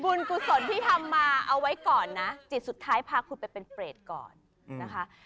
กุศลที่ทำมาเอาไว้ก่อนนะจิตสุดท้ายพาคุณไปเป็นเปรตก่อนนะคะ